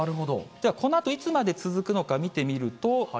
このあといつまで続くのか見てみると。